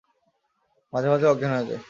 মাঝে মাঝে অজ্ঞান হয়ে যায়।